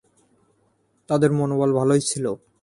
তাদের মনোবল ভালোই ছিল।